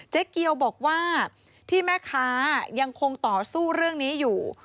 เจ๊เกียวบอกว่าที่แม่ค้ายังคงต่อสู้เรื่องนี้อยู่